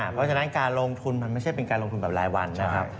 เพราะฉะนั้นการลงทุนมันไม่ใช่เป็นการลงทุนแบบรายวันนะครับ